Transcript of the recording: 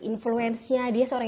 influencenya dia seorang